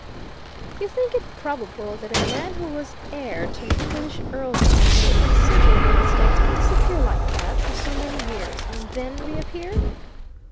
"You think it probable that a man who was heir to an English earldom and to considerable estates could disappear like that, for so many years, and then reappear?"